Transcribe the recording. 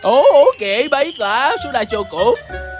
oke baiklah sudah cukup